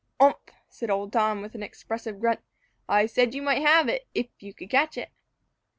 "Umph!" said old Tom, with an expressive grunt, "I said you might have it, if you could catch it."